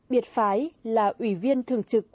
biệt phái là ủy viên thường trực